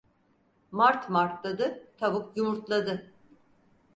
Mart martladı, tavuk yumurtladı.